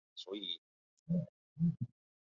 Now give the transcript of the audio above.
许多其他含意也可以被分配至旗标值。